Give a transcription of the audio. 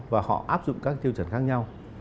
và họ áp dụng các tiêu chuẩn khác nhau